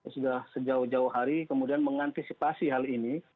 sudah sejauh jauh hari kemudian mengantisipasi hal ini